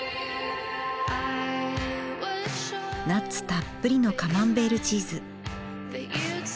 ナッツたっぷりのカマンベールチーズ。